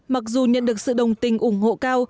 mặc dù nhận được sự đồng tình ủng hộ cao